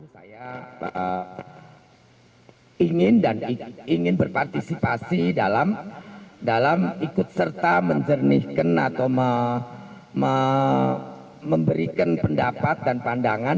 saya ingin berpartisipasi dalam ikut serta menjernihkan atau memberikan pendapat dan pandangan